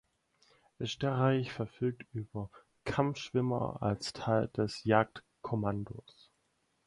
Österreich verfügt über Kampfschwimmer als Teil des Jagdkommandos.